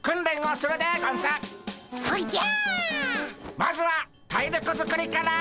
まずは体力づくりから！